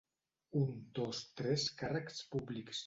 Un, dos, tres càrrecs públics.